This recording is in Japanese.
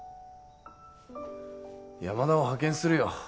山田を派遣するよ。